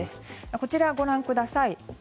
こちら、ご覧ください。